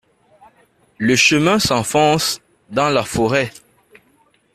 Le chemin s’enfonce dans la forêt.